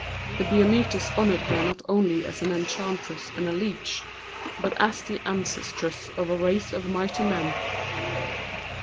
The Biamites honoured her not only as an enchantress and a leech, but as the ancestress of a race of mighty men.